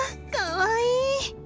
かわいい。